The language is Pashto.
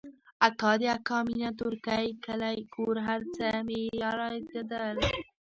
اکا د اکا مينه تورکى کلى کور هرڅه مې رايادېدل.